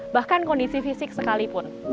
bahkan kondisi fisik sekalipun